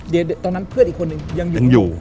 เดี๋ยวตอนนั้นเพื่อนอีกคนนึงยังอยู่